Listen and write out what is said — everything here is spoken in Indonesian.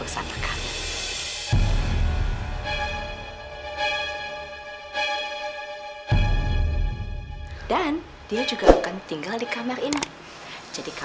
sampai jumpa di video selanjutnya